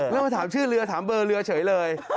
แล้วมาถามชื่อเรือถามเบอร์เรือเฉยเลย